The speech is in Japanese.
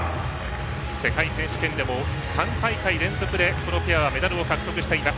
世界選手権でも３大会連続で、このペアはメダルを獲得しています。